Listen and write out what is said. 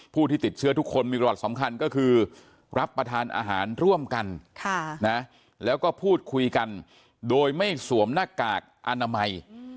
ผู้ที่ติดเชื้อทุกคนมีประวัติสำคัญก็คือรับประทานอาหารร่วมกันแล้วก็พูดคุยกันโดยไม่สวมหน้ากากอนามัย